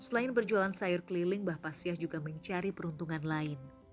seberjualan sayur keliling mbak pasya juga mencari peruntungan lain